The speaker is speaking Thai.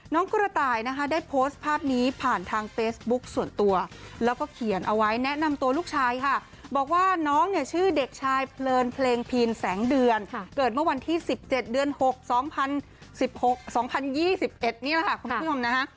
กระต่ายนะคะได้โพสต์ภาพนี้ผ่านทางเฟซบุ๊คส่วนตัวแล้วก็เขียนเอาไว้แนะนำตัวลูกชายค่ะบอกว่าน้องเนี่ยชื่อเด็กชายเพลินเพลงพีนแสงเดือนเกิดเมื่อวันที่๑๗เดือน๖๒๐๒๑นี่แหละค่ะคุณผู้ชมนะฮะ